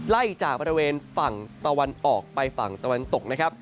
ไล่จากบริเวณฝั่งตะวันออกไปฝั่งตะวันตกนะครับ